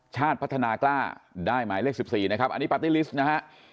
ชาติพัฒนากล้าได้หมายเลข๑๔นะครับอันนี้ปาร์ตี้ลิสต์นะฮะ